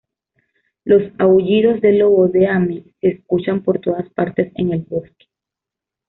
Los aullidos de lobo de Ame se escuchan por todas partes en el bosque.